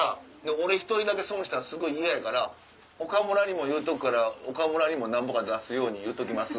俺１人だけ損したらすごい嫌やから岡村にもなんぼか出すように言っときます！